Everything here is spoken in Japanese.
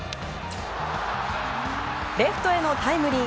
レフトへのタイムリー。